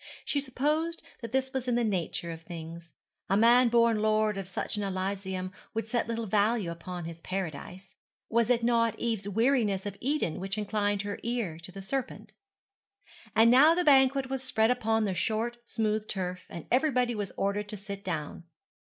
She supposed that this was in the nature of things. A man born lord of such an elysium would set little value upon his paradise. Was it not Eve's weariness of Eden which inclined her ear to the serpent? And now the banquet was spread upon the short smooth turf, and everybody was ordered to sit down.